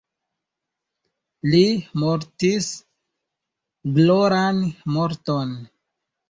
Li mortis gloran morton.